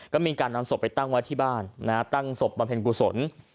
ก็มีการนำศพไปตั้งไว้ที่บ้านตั้งศพบำเพ็ญกุศล